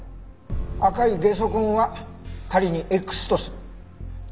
赤いゲソ痕は仮にＸとする。